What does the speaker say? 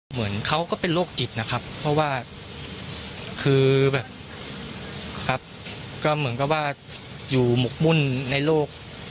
เหมือนเขาก็เป็นโรคจิตนะครับเพราะว่าคือแบบครับก็เหมือนกับว่าอยู่หมกมุ่นในโลก